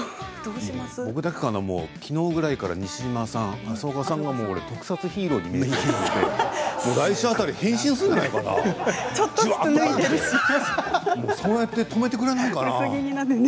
俺だけかな、きのうぐらいから西島さん、朝岡さんが特撮ヒーローに見えて変身するんじゃないかなってそうやって止めてくれないかなって。